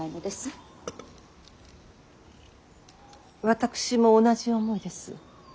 私も同じ思いです。